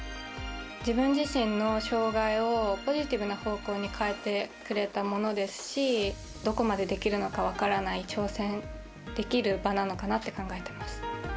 自分自身の障がいをポジティブな方向に変えてくれたものですしどこまでできるのか分からない挑戦できる場なのかなと考えてます。